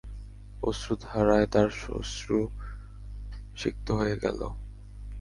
অশ্রুধারায় তাঁর শ্বশ্রু সিক্ত হয়ে গেল।